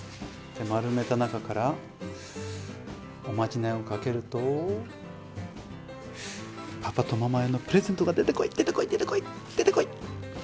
丸めた中からおまじないをかけるとパパとママへのプレゼントが出てこい出てこい出てこい出てこい。